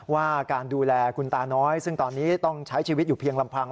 ว่าการดูแลคุณตาน้อยซึ่งตอนนี้ต้องใช้ชีวิตอยู่เพียงลำพัง